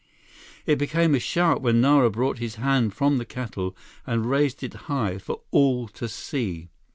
It became a shout when Nara brought his hand from the kettle and raised it high, for all to see.